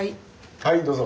はいどうぞ。